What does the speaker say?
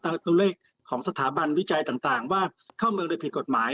ตัวเลขของสถาบันวิจัยต่างว่าเข้าเมืองโดยผิดกฎหมาย